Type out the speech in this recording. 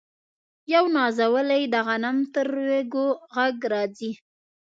یو نازولی د غنم تر وږو ږغ راځي